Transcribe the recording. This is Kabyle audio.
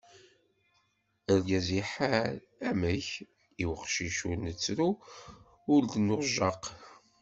Argaz iḥar, amek, i uqcic ur d-nettru ur d-nujjaq.